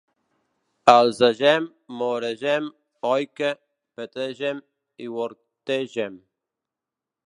Elsegem, Moregem, Ooike, Petegem i Wortegem.